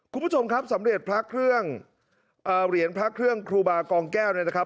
คุณผู้ชมครับสำเร็จพระเครื่องเหรียญพระเครื่องครูบากองแก้วเนี่ยนะครับ